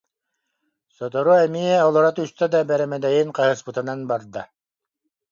Сотору эмиэ олоро түстэ да бэрэмэдэйин хаһыспытынан барда